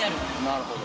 なるほど。